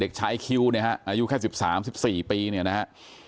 เด็กชายคิวเนี่ยฮะอายุแค่๑๓๑๔ปีเนี่ยนะฮะ